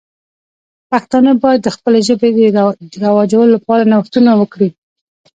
پښتانه باید د خپلې ژبې د رواجولو لپاره نوښتونه وکړي.